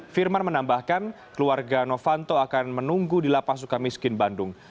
firman menambahkan keluarga novanto akan menunggu di lapas suka miskin bandung